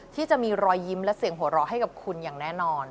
ที่จะมีรอยยิ้มและเสียงหัวเราะให้กับคุณอย่างแน่นอน